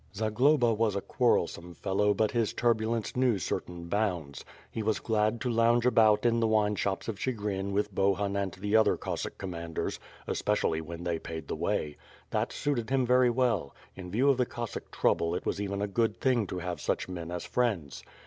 Zagloba was a quarrelsome fellow but his turbulence knew certain bounds. He was glad to lounge about in the wine shops of Chigrin with Bohun and the other Cossack com manders, especially when they paid the way — that suited him very well; in view of the Cossack trouble, it was even a good thing to have such men as friends.